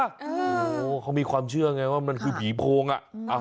โอ้โหเขามีความเชื่อไงว่ามันคือผีโพงอ่ะ